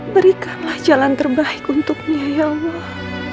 berikanlah jalan terbaik untuk dia ya allah